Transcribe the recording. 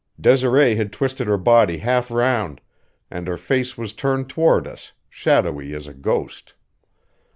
Desiree had twisted her body half round, and her face was turned toward us, shadowy as a ghost.